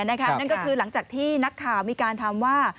นั่นก็คือหลังจากที่นักข่าวมีการถามว่า